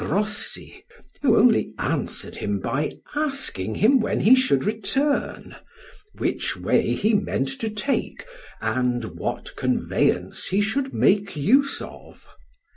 Grossi, who only answered him by asking him when he should return, which way he meant to take, and what conveyance he should make use of?